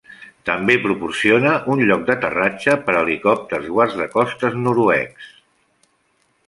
També proporciona un lloc d'aterratge per a helicòpters guardacostes noruecs.